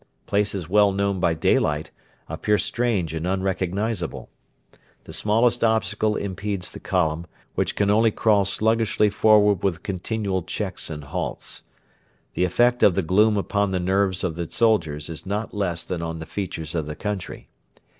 Places well known by daylight appear strange and unrecognisable. The smallest obstacle impedes the column, which can only crawl sluggishly forward with continual checks and halts. The effect of the gloom upon the nerves of the soldiers is not less than on the features of the country.